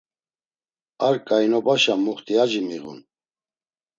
Ar ǩainobaşa muxtiyaci miğun.